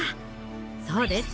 そうです。